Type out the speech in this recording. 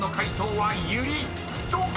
［どうか⁉］